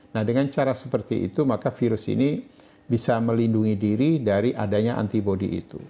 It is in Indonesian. nah dengan cara seperti itu maka virus ini bisa melindungi diri dari adanya antibody itu